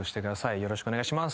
よろしくお願いします。